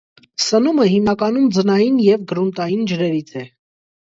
Սնումը հիմնականում ձնային և գրունտային ջրերից է։